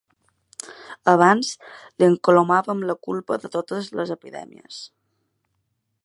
Abans li encolomaven la culpa de totes les epidèmies.